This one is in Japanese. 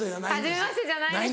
はじめましてじゃないです。